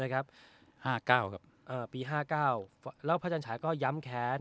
ครับห้าเก้าครับอ่าปีห้าเก้าแล้วพระจันทรายก็ย้ำแขน